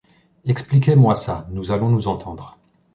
Expliquez-moi ça, nous allons nous entendre.